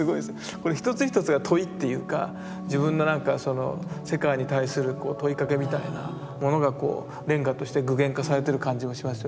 これ一つ一つが問いっていうか自分の何か世界に対する問いかけみたいなものがこうレンガとして具現化されてる感じもしますよね。